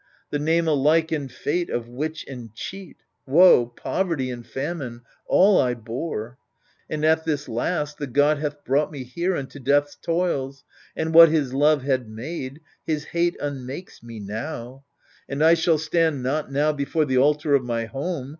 The name alike and fate of witch and cheat — Woe, poverty, and famine — all I bore ;^ And at this last the god hath brought me here Into death's toils, and what his love had made. His hate unmakes me now : and I shall stand Not now before the altar of my home.